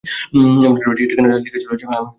এমন করে ঠিকানাটা লিখেছিল যে, আমি মোটেই বুঝতে পারিনি।